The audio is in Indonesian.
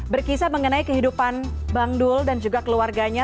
berkisah mengenai kehidupan bang dul dan juga keluarganya